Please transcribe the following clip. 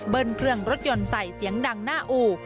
เครื่องรถยนต์ใส่เสียงดังหน้าอู่